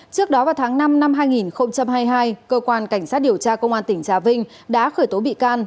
trước đó vào tháng năm năm hai nghìn hai mươi hai cơ quan cảnh sát điều tra công an tỉnh trà vinh đã khởi tố bị can